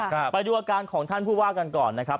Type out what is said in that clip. ไปดูอาการของท่านผู้ว่ากันก่อนนะครับ